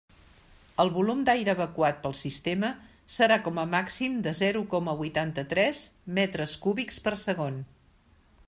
El volum d'aire evacuat pel sistema serà com a màxim de zero coma huitanta-tres metres cúbics per segon.